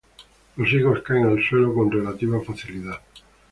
Los higos caen al suelo con relativa facilidad.